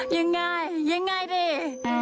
ยังไงยังไงดิ